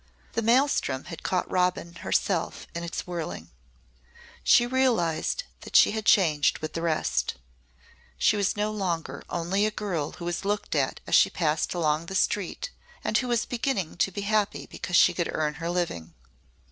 The maelstrom had caught Robin herself in its whirling. She realised that she had changed with the rest. She was no longer only a girl who was looked at as she passed along the street and who was beginning to be happy because she could earn her living.